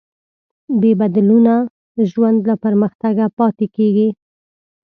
بېبدلونه ژوند له پرمختګه پاتې کېږي.